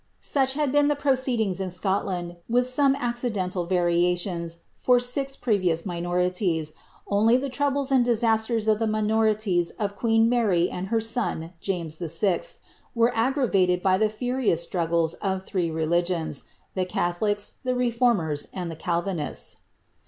Such had been the proceedings in Scotknd, with eome accidental variations, for six previous minorities, only the troubles and disasters of the minorities of queen ICary, and of her son, James VI., were aggravated by the iurioufl struggles of three religiona, the catholics, the reformers, and the calvinists.